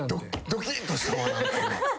ドキッとしたわ今。